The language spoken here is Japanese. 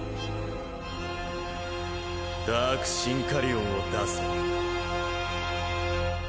ダークシンカリオンを出せ。